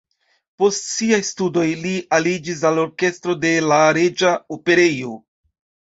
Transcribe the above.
Post siaj studoj li aliĝis al orkestro de la Reĝa Operejo.